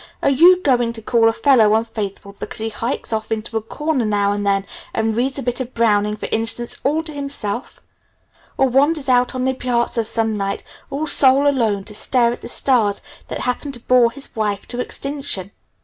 Are you going to call a fellow unfaithful because he hikes off into a corner now and then and reads a bit of Browning, for instance, all to himself or wanders out on the piazza some night all sole alone to stare at the stars that happen to bore his wife to extinction?"